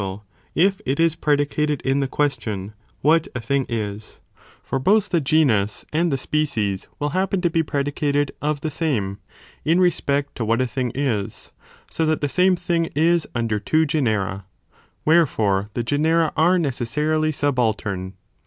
ful, if it is predicated in the question, what a thing δἰ πο 18 For both the genus and the species,* will § i. ον Ἀν, i, A happen to be predicated of the same, in respect to animal... .. What a thing 18,2 so that the same thing f is under "1.6. ἃ species two genera,} wherefore the genera are necessarily Ti,e.animal Subaltern.